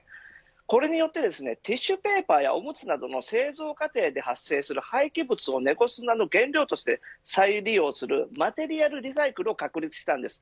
これによってティッシュペーパーやおむつなどの製造過程で発生する廃棄物を猫砂の原料として再利用するマテリアルリサイクルを確立したんです。